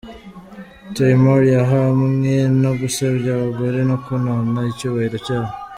Taymour yahamwe no gusebya abagore no konona icyubahiro cyabo.